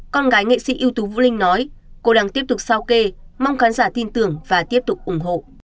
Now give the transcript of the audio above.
con gái nghệ sĩ ưu tú vũ linh nói cô đang tiếp tục sao kê mong khán giả tin tưởng và tiếp tục ủng hộ